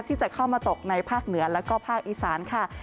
ที่จะเข้ามาตกในภาคเหนือแล้วก็ภาคอีสานค่ะ